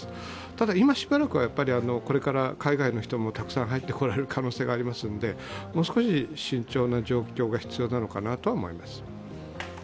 ただ、今しばらくは、これから海外の方がたくさん入ってこられる可能性がありますので、もう少し慎重な状況が必要なのかなとは思います。